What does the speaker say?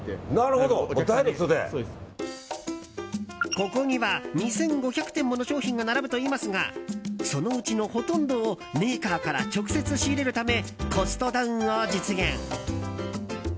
ここには２５００点もの商品が並ぶといいますがそのうちのほとんどをメーカーから直接仕入れるためコストダウンを実現。